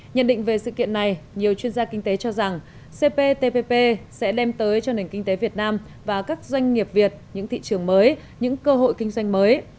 nhận định về sự kiện này nhiều chuyên gia kinh tế cho rằng cptpp sẽ đem tới cho nền kinh tế việt nam và các doanh nghiệp việt những thị trường mới những cơ hội kinh doanh mới